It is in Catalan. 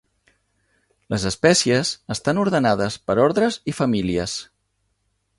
Les espècies estan ordenades per ordres i famílies.